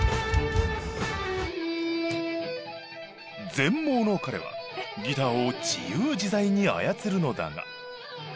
全盲の彼はギターを自由自在に操るのだが